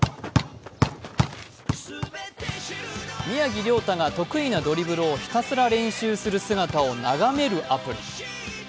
宮城リョータが得意のドリブルをひたすら練習する様子を眺めるアプリ。